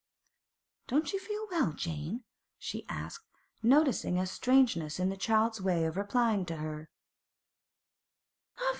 'Don't you feel well, Jane?' she asked, noticing a strangeness in the child's way of replying to her.